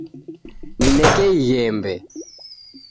Nineke ighembe